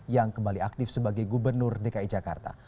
yang kembali aktif sebagai gubernur dki jakarta